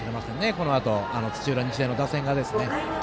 このあと土浦日大の打線側が。